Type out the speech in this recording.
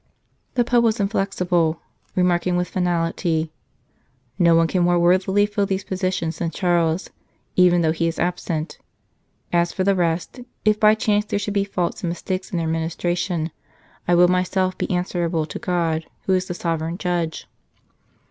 The Pope was inflexible, remarking with finality :" No one can more worthily fill these positions than Charles, even though he is absent. As for the rest, if by chance there should be faults and mistakes in their administration, I will myself be answerable to God, who is the Sovereign Judge."